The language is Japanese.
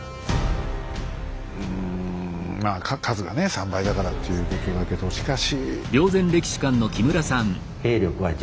うんまあ数がね３倍だからっていうことだけどしかし。